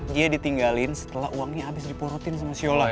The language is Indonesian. dia ditinggalin setelah uangnya habis diporotin sama siola